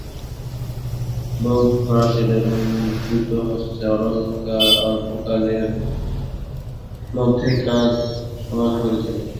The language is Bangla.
বঙ্কু ফরাশ এল, এবং দ্রুতহস্তে অল্পকালের মধ্যেই কাজ সমাধা করে দিলে।